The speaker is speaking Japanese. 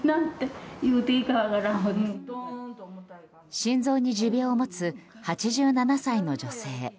心臓に持病を持つ８７歳の女性。